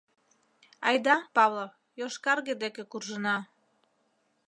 Айда, Павлов, йошкарге деке куржына.